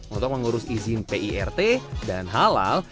untuk mengurus izin pirt dan halal